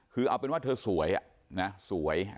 คือเอาเป็นว่าเธอสวย